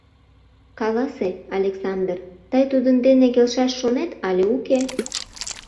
— Каласе, Александр, тый тудын дене келшаш шонет але уке?